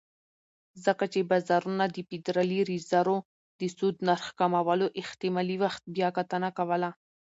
ځکه چې بازارونه د فدرالي ریزرو د سود نرخ کمولو احتمالي وخت بیاکتنه کوله.